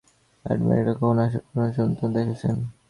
Admiral, কখনো আসল কোনো জন্তু দেখেছেন?